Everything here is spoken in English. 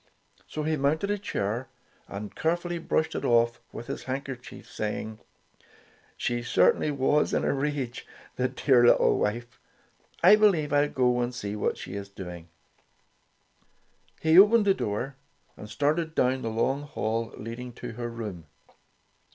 So he mounted a chair, and carefully brushed it off with his handkerchief, saying: ''She certainly was in a rage, the dear little wife. I believe I'll go and see what she is doing." He opened the door and started down the long hall leading to her room.